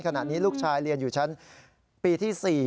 ขณะนี้ลูกชายเรียนอยู่ชั้นปีที่๔